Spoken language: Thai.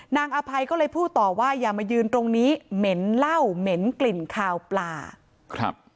อภัยก็เลยพูดต่อว่าอย่ามายืนตรงนี้เหม็นเหล้าเหม็นกลิ่นคาวปลาครับ